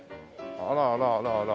あらあらあらあら。